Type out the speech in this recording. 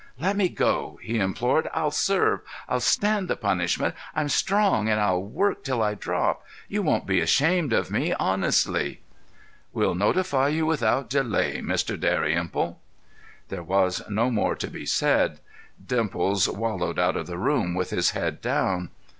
Let me go," he implored. "I'll serve. I'll stand the punishment. I'm strong and I'll work till I drop. You won't be ashamed of me, honestly." "We'll notify you without delay, Mr. Dalrymple." There was no more to be said. Dimples wallowed out of the room with his head down.